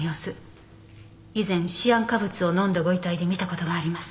以前シアン化物を飲んだご遺体で見た事があります。